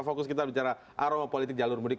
fokus kita bicara aromapolitik jalur mudik